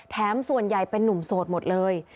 ส่วนใหญ่เป็นนุ่มโสดหมดเลย